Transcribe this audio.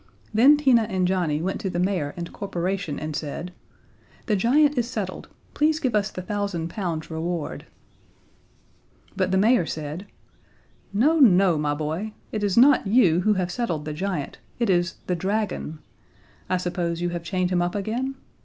Then Tina and Johnnie went to the mayor and corporation and said, "The giant is settled. Please give us the thousand pounds reward." But the mayor said: "No, no, my boy. It is not you who have settled the giant, it is the dragon. I suppose you have chained him up again?